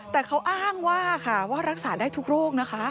แต่เขาอ้างว่าค่ะว่ารักษาได้ทุกโรคนะคะ